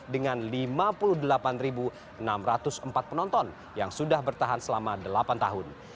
dengan lima puluh delapan enam ratus empat penonton yang sudah bertahan selama delapan tahun